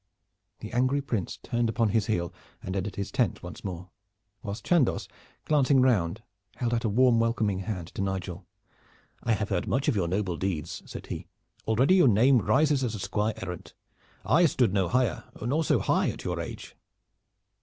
The angry Prince turned upon his heel and entered his tent once more, whilst Chandos, glancing round, held out a warm welcoming hand to Nigel. "I have heard much of your noble deeds," said he. "Already your name rises as a squire errant. I stood no higher, nor so high, at your age."